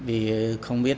vì không biết